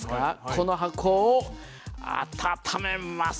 この箱を温めます。